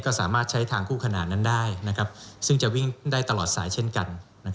ก็สามารถใช้ทางคู่ขนาดนั้นได้ซึ่งจะวิ่งได้ตลอดสายเช่นกัน